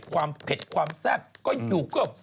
ความเผ็ดความแท้บก็อยู่กับ